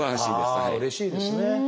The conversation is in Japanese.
ああうれしいですね。